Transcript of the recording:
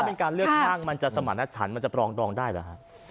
เป็นการเลือกข้างมันจะสมรรถฉันมันจะปรองดองได้หรือฮะ